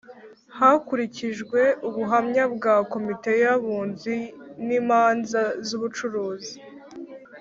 Hakurikijwe ubuhamya bwa komite y’abunzi n’imanza z’ubucuruzi